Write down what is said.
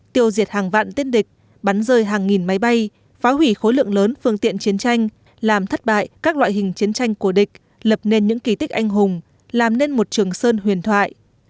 tiêu diệt hàng vạn tiên địch bắn rơi hàng nghìn máy bay phá hủy khối lượng lớn phương tiện chiến tranh làm thất bại các loại hình chiến tranh của địch lập nên những kỳ tích anh hùng làm nên một trường sơn huyền thoại